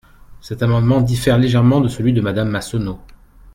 Cet amendement diffère légèrement de celui de Madame Massonneau.